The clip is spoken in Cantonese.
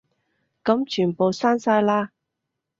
噉全部刪晒啦